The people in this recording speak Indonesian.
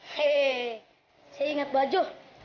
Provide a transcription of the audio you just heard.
hei saya inget baju